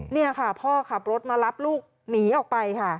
นี่ค่ะพ่อขับรถมารับลูกหนีออกไปค่ะ